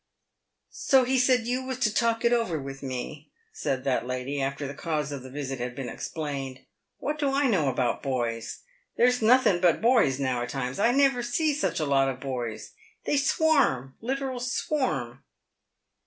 " So he said you was to talk it over with me," said that lady, after the cause of the visit had been explained. " "What do I know about * boys ?' There's nothen but boys now a times ; I never see such a lot of boys. They swarm— literal swarm